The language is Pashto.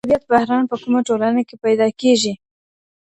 د هویت بحران په کومه ټولنه کي پېدا کېږي؟